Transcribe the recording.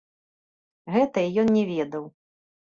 Гэтай ён не ведаў.